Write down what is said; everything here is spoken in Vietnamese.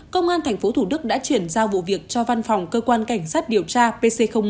công an tp thủ đức đã chuyển giao vụ việc cho văn phòng cơ quan cảnh sát điều tra pc một